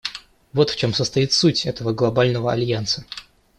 Вот в чем состоит суть этого Глобального альянса.